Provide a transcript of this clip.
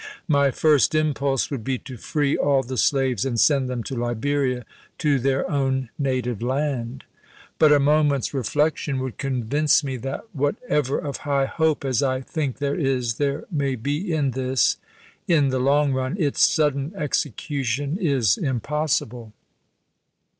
My first impulse would be to free all the slaves and send them to Liberia — to their own native land. But a moment's reflection would convince me that, whatever of high hope (as I think there is) there may be in this in the long run, its sudden execution is impossible.